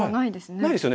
ないですよね。